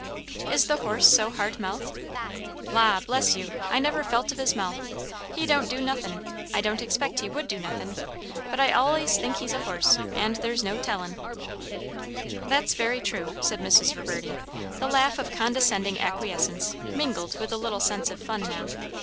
"Is the horse so hard mouthed?" "La! bless you, I never felt of his mouth. He don't do nothin'; I don't expect he would do nothin'; but I allays think he's a horse, and there's no tellin'." "That's very true," said Mrs. Reverdy, the laugh of condescending acquiescence mingled with a little sense of fun now.